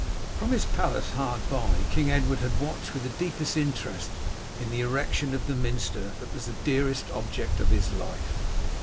From his palace hard by King Edward had watched with the deepest interest the erection of the minster that was the dearest object of his life.